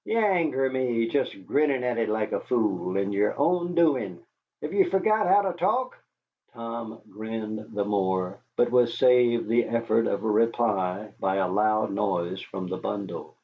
Ye anger me just grinning at it like a fool and yer own doin'. Have ye forgot how to talk?" Tom grinned the more, but was saved the effort of a reply by a loud noise from the bundle.